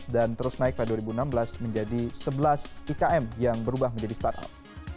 dan terus naik pada dua ribu enam belas menjadi sebelas ikm yang berubah menjadi startup